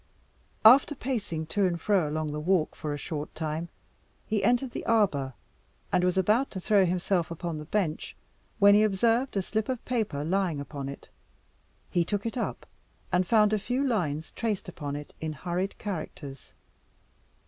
After pacing to and fro along the walk for a short time, he entered the arbour, and was about to throw himself upon the bench, when he observed a slip of paper lying upon it. He took it up, and found a few lines traced upon it in hurried characters.